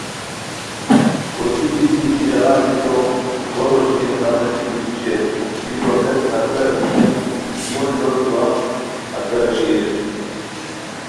کوسی بی بی ای ژاغا بیکو بو روشتی ہیتان غیچھی گیتی شیر، گیکو ہیت ہتیرا بینیان کی ای بو لوٹ دواہت ہتیرا شیر